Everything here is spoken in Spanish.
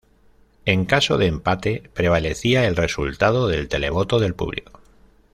En caso de empate prevalecía el resultado del televoto del público.